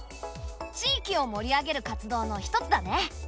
地域を盛り上げる活動の一つだね。